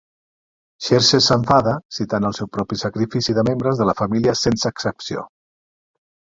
Xerxes s'enfada, citant el seu propi sacrifici de membres de la família sense excepció.